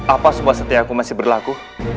apa sebuah setia aku masih berlaku